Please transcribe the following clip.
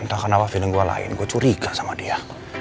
entah kenapa film gua lain gua curiga sama dia